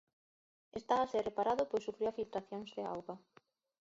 Está a ser reparado pois sufría filtracións de auga.